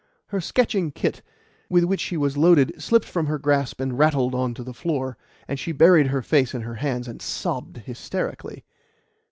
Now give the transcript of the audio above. Her sketching "kit," with which she was loaded, slipped from her grasp and rattled on to the floor, and she buried her face in her hands and sobbed hysterically.